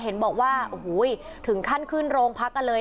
เพราะฉำน่ายเห็นบอกว่าโอ้โหถึงขั้นขึ้นรงพักกันเลย